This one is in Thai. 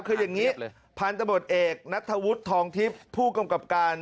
คืออย่างนี้พันธบทเอกนัทธวุฒิทองทิพย์ผู้กำกับการ